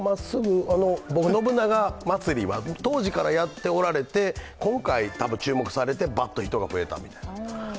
信長まつりは当時からやっておられて、今回たぶん注目されて、バッと人が増えた。